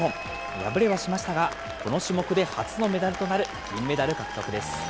敗れはしましたが、この種目で初のメダルとなる銀メダル獲得です。